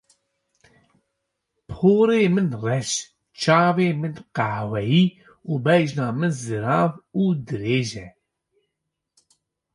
Porê min reş, çavên min qehweyî û bejna min zirav û dirêj e.